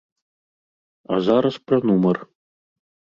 А зараз пра нумар.